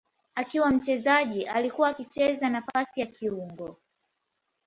Akiwa mchezaji alikuwa akicheza nafasi ya kiungo.